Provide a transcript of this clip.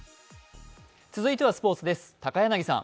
続いてはスポーツです。